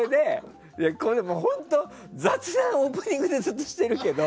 本当、オープニングでずっと雑談してるけど。